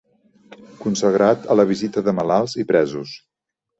Consagrat a la visita de malalts i presos